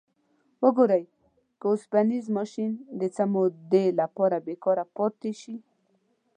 وګورئ که اوسپنیز ماشین د څه مودې لپاره بیکاره پاتې شي.